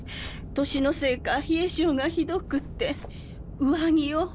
年のせいか冷え性がひどくて上着を。